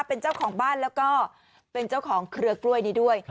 เป็นเจ้าของบ้านแล้วก็เป็นเจ้าของเครือกล้วยนี้ด้วย